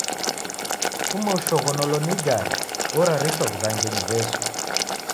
Kufuma ushoghonolo ni igare orarishwa w'ughangenyi W'esu.